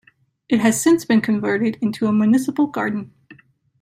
It has since been converted into a municipal garden.